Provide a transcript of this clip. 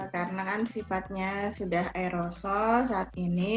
karena kan sifatnya sudah aerosol saat ini